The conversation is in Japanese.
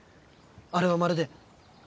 あれはまるで。